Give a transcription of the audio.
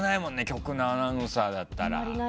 局のアナウンサーだったら。